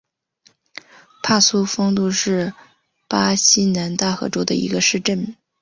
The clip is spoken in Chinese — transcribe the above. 帕苏丰杜是巴西南大河州的一个市镇。